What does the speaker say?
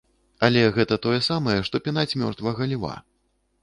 Але гэта тое самае, што пінаць мёртвага льва.